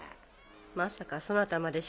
まさかそなたまでシシ